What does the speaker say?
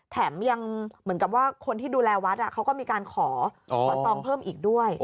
แถมยังเหมือนกับว่าคนที่ดูแลวัดเขาก็มีการขอซองเพิ่มอีกด้วย